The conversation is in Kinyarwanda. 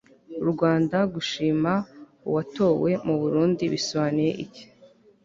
u rwanda gushima uwatowe mu burundi bisobanuye iki